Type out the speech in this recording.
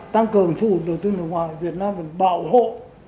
tăng cường thu hút đầu tư nước ngoài việt nam vẫn bảo hộ